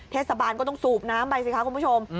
เทศบาลก็ต้องสูบน้ำไปสิคะคุณผู้ชม